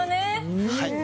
はい。